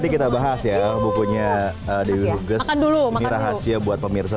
kita bahas ya bukunya